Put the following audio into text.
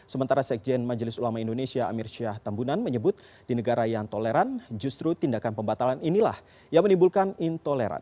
sementara sekjen majelis ulama indonesia amir syah tambunan menyebut di negara yang toleran justru tindakan pembatalan inilah yang menimbulkan intoleran